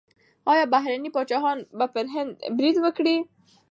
ایا بهرني پاچاهان به پر هند برید وکړي؟